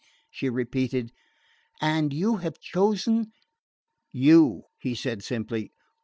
she repeated. "And you have chosen " "You," he said simply.